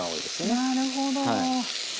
なるほど。